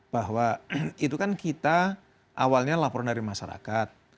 bahwa itu kan kita awalnya laporan dari masyarakat